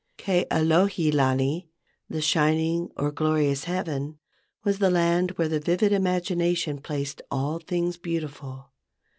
Ke alohi lani (the shining or glorious heaven) was the land where the vivid imagination placed all things beautiful.